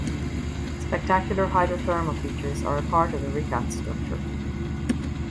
Spectacular hydrothermal features are a part of the Richat Structure.